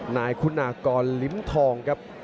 นายคุณากรลิ้มทองครับ